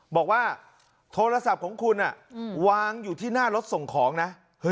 บอกว่าโทรศัพท์ของคุณวางอยู่ที่หน้ารถส่งของนะ